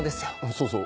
そうそう。